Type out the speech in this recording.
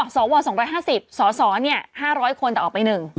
อ๋อสอว๒๕๐สอสอเนี่ย๕๐๐คนแต่ออกไป๑